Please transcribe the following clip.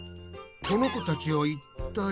この子たちはいったい？